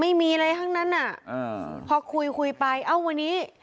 ไม่มีอะไรทั้งนั้นอ่ะอ่าพอคุยคุยไปเอ้าวันนี้